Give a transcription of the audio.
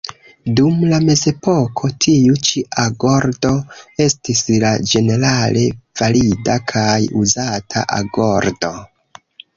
Dum la mezepoko tiu ĉi agordo estis la ĝenerale valida kaj uzata agordo.